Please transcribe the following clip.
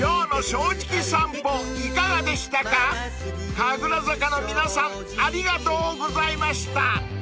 ［神楽坂の皆さんありがとうございました］